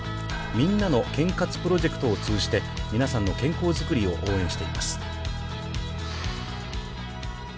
「みんなの健活プロジェクト」を通じて、みなさんの健康づくりを応援しています。